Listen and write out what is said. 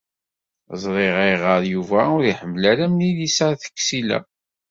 Ẓṛiɣ ayɣer Yuba ur iḥemmel ara Milisa n At Ksila.